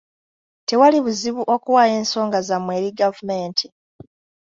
Tewali buzibu okuwaayo ensonga zammwe eri gavumenti.